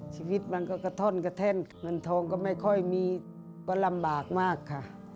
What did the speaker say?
ชีวิตมันก็กระท่อนกระแท่นเงินทองก็ไม่ค่อยมีก็ลำบากมากค่ะ